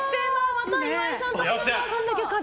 また岩井さんと花澤さんだけ可。